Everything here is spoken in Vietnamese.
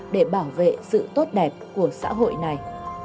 để bảo vệ sự tốt đẹp của xã hội này